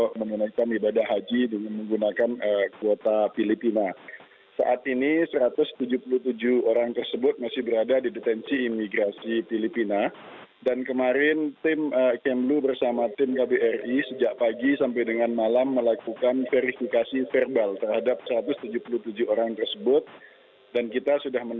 kita belum bicara mengenai deportasi tetapi yang jelas ada satu ratus tujuh puluh tujuh wni yang dicurigai menggunakan paspor palsu